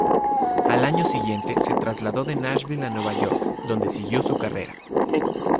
Al año siguiente, se trasladó de Nashville a Nueva York, donde siguió su carrera.